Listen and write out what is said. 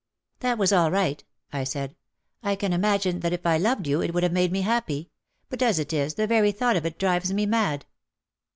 "That was all right," I said. "I can imagine that if I loved you it would have made me happy. But as it is, the very thought of it drives me mad."